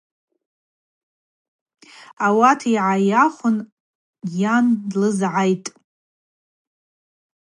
Ауат гӏайахвын йан длызгӏайхтӏ.